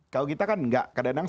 kalau kita kan nggak kadang kadang